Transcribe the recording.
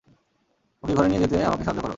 ওকে ঘরে নিয়ে যেতে আমাকে সাহায্য কর।